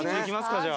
じゃあ。